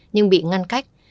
nhưng bị ngăn cách